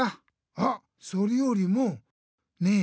あっそれよりもねえ